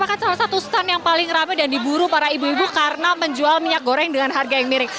ya kalau di sini merupakan salah satu stand yang paling rame dan diburu para ibu ibu karena menjual minyak goreng dengan harga yang miring